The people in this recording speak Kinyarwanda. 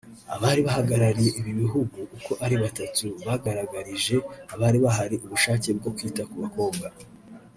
Abari bahagarariye ibi bihugu uko ari bitatu bagaragarije abari bahari ubushake bwo kwita ku bakobwa